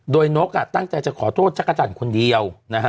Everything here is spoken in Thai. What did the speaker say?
โดยนกตั้งใจจะขอโทษจักรจันทร์คนเดียว